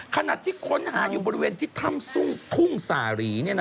ขณะที่ค้นหาอยู่บริเวณที่ถ้ำทุ่งสารี